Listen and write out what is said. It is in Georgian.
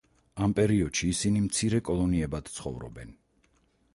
ამ პერიოდში ისინი მცირე კოლონიებად ცხოვრობენ.